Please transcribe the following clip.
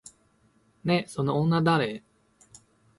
ねえ、その女誰？